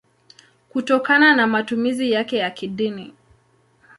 kutokana na matumizi yake ya kidini.